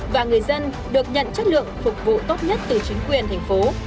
và người dân được nhận chất lượng phục vụ tốt nhất từ chính quyền thành phố